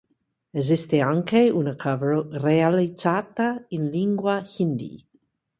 Esiste anche una cover realizzata in lingua hindi.